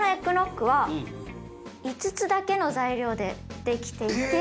５つだけの材料でできていて。